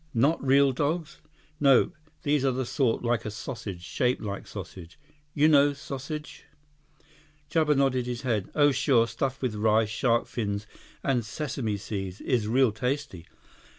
"Not real dogs?" "Nope. These are sort of like a sausage—shaped like sausage. You know sausage?" Chuba nodded his head. "Oh sure, stuffed with rice, shark fins, and sesame seeds, is real tasty."